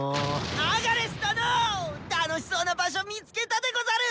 アガレス殿楽しそうな場所見つけたでござる！